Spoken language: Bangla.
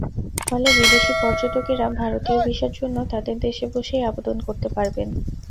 ফলে বিদেশি পর্যটকেরা ভারতীয় ভিসার জন্য তাঁদের দেশে বসেই আবেদন করতে পারবেন।